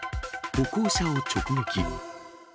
歩行者を直撃。